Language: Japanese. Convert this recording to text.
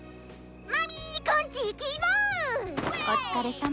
お疲れさま。